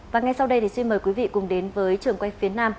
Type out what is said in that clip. và ngay sau đây thì xin mời quý vị cùng đến với trường quay phía nam